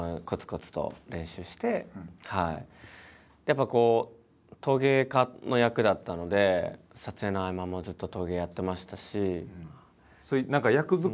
やっぱこう陶芸家の役だったので撮影の合間もずっと陶芸やってましたし。